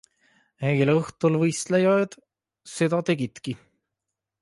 Eile õhtul võistlejad seda tegidki.